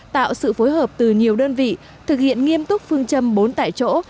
tạo sự phối hợp từ nhiều đơn vị thực hiện nghiêm túc phương châm bốn tại chỗ